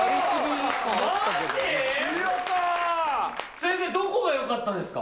先生どこがよかったですか？